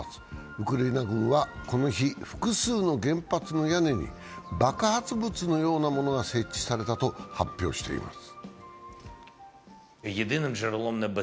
ウクライナ軍はこの日複数の原発の屋根に爆発物のようなものが設置されたと発表しています。